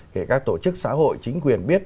kể cả tổ chức xã hội chính quyền biết